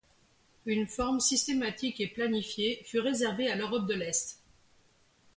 Une forme systématique et planifiée fut réservée à l'Europe de l'Est.